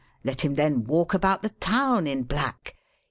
Let him then walk about the town in black.